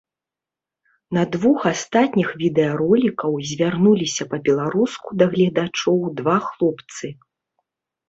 На двух астатніх відэаролікаў звярнуліся па-беларуску да гледачоў два хлопцы.